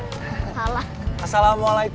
salamualaikum bu yola anak anak